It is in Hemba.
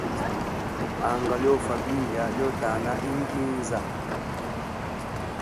Anga lyofa biya lyo tana inginza.